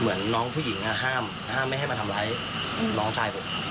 เหมือนน้องผู้หญิงห้ามไม่ให้มาทำร้ายน้องชายผม